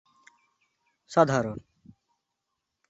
ᱥᱟᱫᱷᱟᱨᱚᱬ